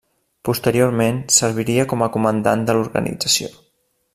Posteriorment serviria com a comandant de l'organització.